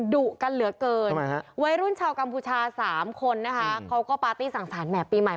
ดุกันเหลือเกินวัยรุ่นชาวกัมพูชา๓คนนะคะเขาก็ปาร์ตี้สั่งสารแหม่ปีใหม่